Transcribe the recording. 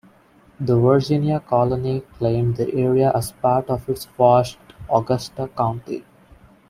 The Virginia Colony claimed the area as part of its vast Augusta County.